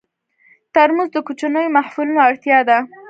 ترموز د کوچنیو محفلونو اړتیا ده.